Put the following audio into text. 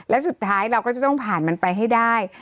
และสุดท้ายเราก็จะต้องผ่านมันไปให้ได้